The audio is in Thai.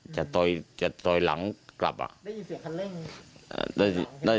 จะต่อยหลังกลับอ่ะได้ยินเสียงคันเร่ง